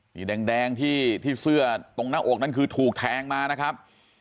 มีแดงที่เสื้อตรงหน้าอกนั้นคือถูกแทงมานะครับ